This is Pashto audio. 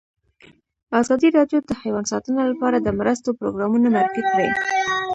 ازادي راډیو د حیوان ساتنه لپاره د مرستو پروګرامونه معرفي کړي.